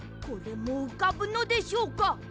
これもうかぶのでしょうか？